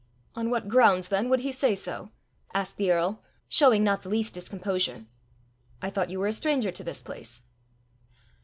"On what grounds then would he say so?" asked the earl showing not the least discomposure. "I thought you were a stranger to this place!"